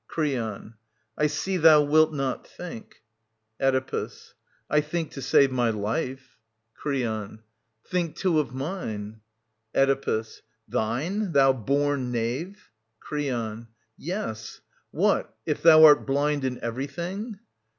Creon. I see thou wilt not think. Oedipus. I think to save My life. 35 SOPHOCLES TT. 627 633 Creon, Think, too, of mine. Oedipus. Thine, thou born knave I Creon. Yes. ... What, if thou art blind in everything